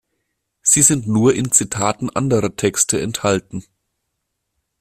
Sie sind nur in Zitaten anderer Texte erhalten.